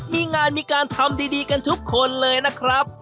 มีงานมีการทำดีกันทุกคนเลยนะครับ